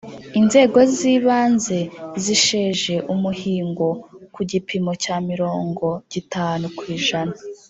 Inzego z ‘ibanze zisheje umihingo ku gipimo cya mirogitanu kwijana